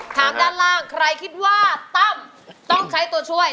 ด้านล่างใครคิดว่าตั้มต้องใช้ตัวช่วย